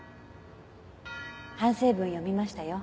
反省文読みましたよ。